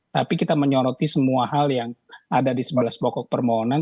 tapi kita menyoroti semua hal yang ada di sebelas pokok permohonan